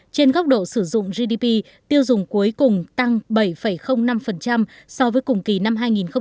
trên góc độ sử dụng gdp tiêu dùng cuối cùng tăng bảy năm so với cùng kỳ năm hai nghìn một mươi tám